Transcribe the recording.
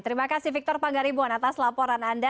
terima kasih victor panggaribuan atas laporan anda